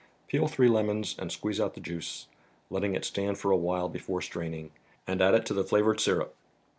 Peel three lemons and squeeze out the juice, letting it stand for a while before straining, and add it to the flavored syrup.